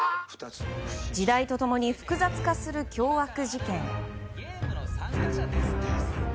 時代と共に複雑化する凶悪事件。